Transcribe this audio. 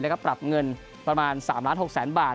และก็ปรับเงินประมาณ๓๖ล้านบาท